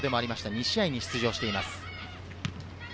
２試合に出場しています。